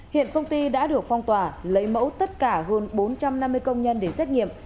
hiện công ty đã được phong tỏa lấy mẫu tất cả hơn bốn trăm năm mươi công nhân để xét nghiệm